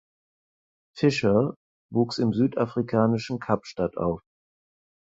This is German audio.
Fisher wuchs im südafrikanischen Kapstadt auf.